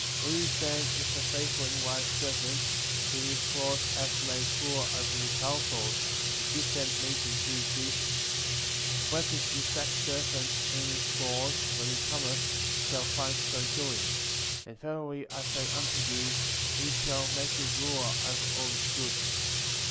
49. Who, then, is a faithful and wise servant^ whom his lord hath made ruler over his household, to give them meat in due season? 50. Blessed is that servant whom his lord, when he cometh, shall find so doing; and verily I say unto you, he shall make him ruler over all his goods.